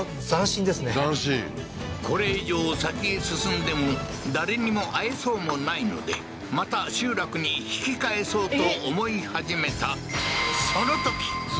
斬新これ以上先へ進んでも誰にも会えそうもないのでまた集落に引き返そうと思い始めた「その時！」